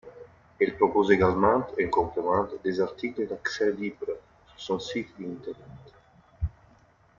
Elle propose également, en complément, des articles en accès libre sur son site internet.